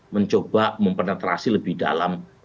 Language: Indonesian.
mencoba mempenetrasi lebih dalam